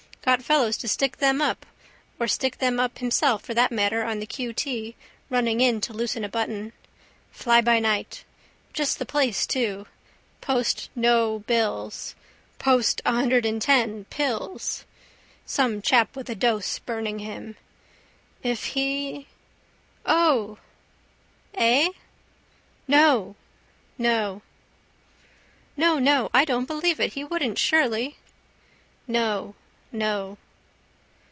Got fellows to stick them up or stick them up himself for that matter on the q. t. running in to loosen a button. Flybynight. Just the place too. POST NO BILLS. POST 110 PILLS. Some chap with a dose burning him. If he...? O! Eh? No... No. No, no. I don't believe it. He wouldn't surely? No, no.